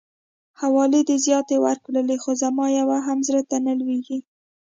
حوالې دي زياتې ورکړلې خو زما يوه هم زړه ته نه لويږي.